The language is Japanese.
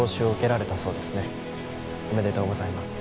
おめでとうございます。